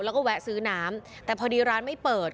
แล้วก็แวะซื้อน้ำแต่พอดีร้านไม่เปิด